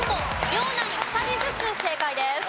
両ナイン２人ずつ正解です。